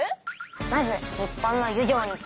まず日本の漁業について見てみよう！